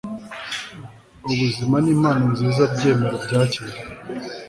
ubu buzima nimpano nziza .. byemere, ubyakire